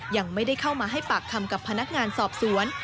ยังไม่ได้เข้ามาให้ปากคำกับพนักงานสอบสวน